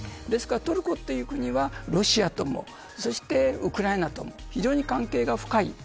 ですから、トルコという国はロシアともウクライナとも非常に関係が深い。